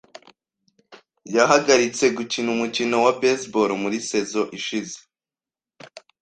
Yahagaritse gukina umukino wa baseball muri saison ishize.